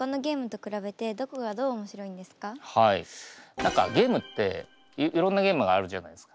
何かゲームっていろんなゲームがあるじゃないですか。